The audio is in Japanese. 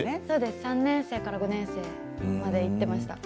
３年生から５年生まで行っていました。